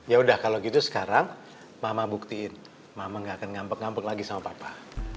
ya udah kalau gitu sekarang mama buktiin mama gak akan ngambek ngambek lagi sama papa